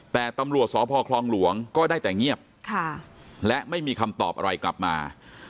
แต่ตำรวจสพคลองหลวงก็ได้แต่เงียบและไม่มีคำตอบอะไรกลับมา